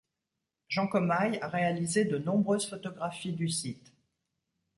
Jean Commaille a réalisé de nombreuses photographies du site.